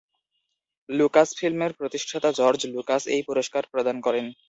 লুকাসফিল্মের প্রতিষ্ঠাতা George Lucas এই পুরস্কার প্রদান করেন।